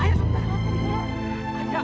ayah sebentar ayah